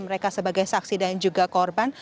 mereka sebagai saksi dan juga korban